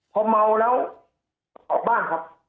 พอเมาแล้วออกบ้านครับ